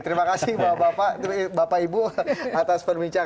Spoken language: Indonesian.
terima kasih bapak ibu atas perbincangan